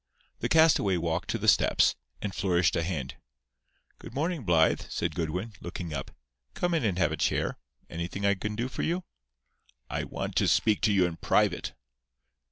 The castaway walked to the steps, and flourished a hand. "Good morning, Blythe," said Goodwin, looking up. "Come in and have a chair. Anything I can do for you?" "I want to speak to you in private."